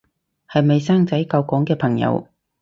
係咪生仔救港嘅朋友